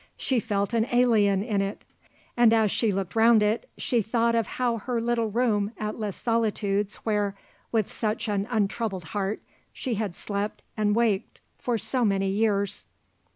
She felt an alien in it; and as she looked round it she thought of how her little room at Les Solitudes where, with such an untroubled heart, she had slept and waked for so many years.